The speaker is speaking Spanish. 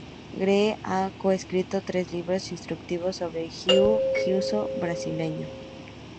Gracie ha co-escrito tres libros instructivos sobre jiu-jitsu brasileño.